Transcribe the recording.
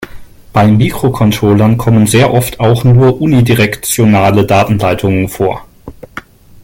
Bei Mikrocontrollern kommen sehr oft auch nur unidirektionale Datenleitungen vor.